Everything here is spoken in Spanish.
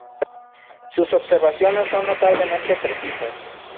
Sus observaciones son notablemente precisas.